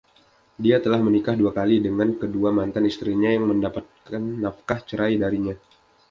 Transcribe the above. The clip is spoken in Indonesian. Dia telah menikah dua kali, dengan kedua mantan istrinya yang mendapatkan nafkah cerai darinya.